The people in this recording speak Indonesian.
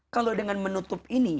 kalau dengan menutup ini